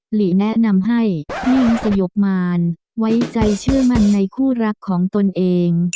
หลีแนะนำให้นิ่งสยบมารไว้ใจเชื่อมั่นในคู่รักของตนเอง